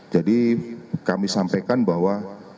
jadi kami sampaikan bahwa